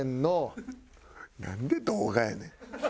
なんで動画やねん！